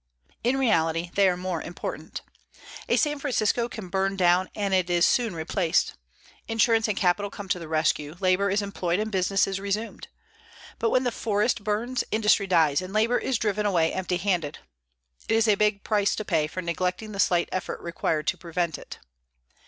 In reality they are more important. A San Francisco can burn down and it is soon replaced. Insurance and capital come to the rescue, labor is employed, and business is resumed. But when the forest burns, industry dies and labor is driven away empty handed. It is a big price to pay for neglecting the slight effort required to prevent it.